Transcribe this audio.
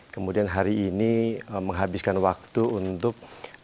kemudian hari ini menghabiskan waktu untuk